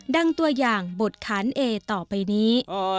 ตัวอย่างบทขานเอต่อไปนี้